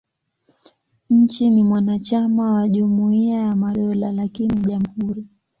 Nchi ni mwanachama wa Jumuiya ya Madola, lakini ni jamhuri.